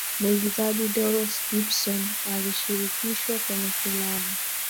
mwigizaji dorothy gibson alishirikishwa kwenye filamu